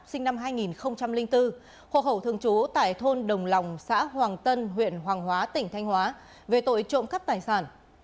sinh năm hai nghìn bốn hồ hậu thương chú tại thôn đồng lòng xã hoàng tân huyện hoàng hóa tỉnh thanh hóa về tội trộm cắt tài sản